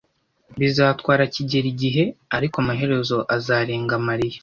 Bizatwara kigeli igihe, ariko amaherezo azarenga Mariya.